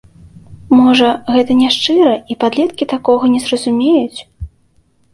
Можа, гэта няшчыра, і падлеткі такога не зразумеюць?